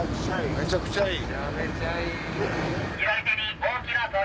めちゃくちゃいい！